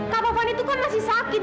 ketaufan itu kan masih sakit